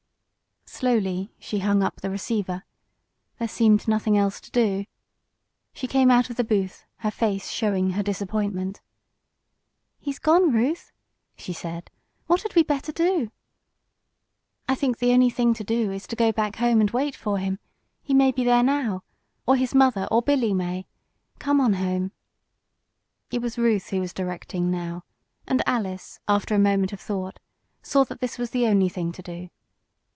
Slowly she hung up the receiver. There seemed nothing else to do. She came out of the booth, her face showing her disappointment. "He's gone, Ruth," she said. "What had we better do?" "I think the only thing to do is to go back home and wait for him. He may be there now. Or his mother or Billy may. Come on home." It was Ruth who was directing now, and Alice, after a moment of thought, saw that this was the only thing to do.